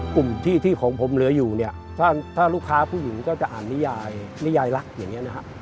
กลุ่มที่ผมเหลืออยู่ถ้าลูกค้าผู้หญิงก็จะอ่านนิยายลักษณ์อย่างนี้นะครับ